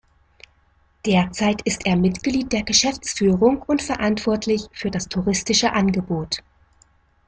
Derzeit st er Mitglied der Geschäftsführung und verantwortlich für das touristische Angebot.